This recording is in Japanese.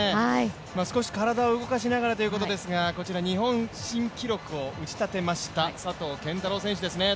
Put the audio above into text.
少し体を動かしながらということですが、こちら日本新記録を打ちたてました佐藤拳太郎選手ですね。